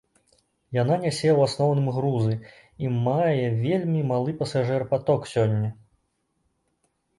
Яна нясе ў асноўным грузы, і мае вельмі малы пасажырапаток сёння.